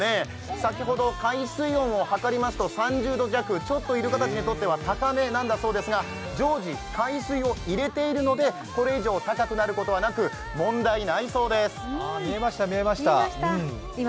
先ほど、海水温を測りますと３０度弱、ちょっとイルカたちにとっては高めなんだそうですが常時海水を入れているのでこれ以上高くなることはなく見えました、見えました。